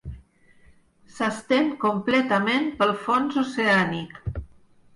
S'estén completament pel fons oceànic.